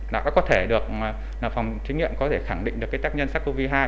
là có thể được phòng thí nghiệm có thể khẳng định được tác nhân sars cov hai